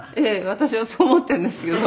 私はそう思っているんですけど。